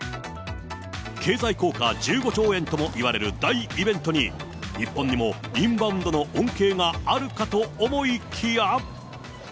経済効果１５兆円ともいわれる大イベントに、日本にもインバウンドの恩恵があるかと思いきや。